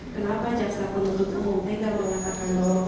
kenapa jaksa penuntut umum tidak mengatakan bahwa